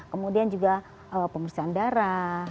kemudian juga pemeriksaan darah